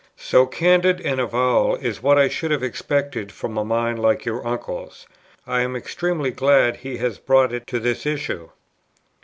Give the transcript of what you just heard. "So candid an avowal is what I should have expected from a mind like your uncle's. I am extremely glad he has brought it to this issue.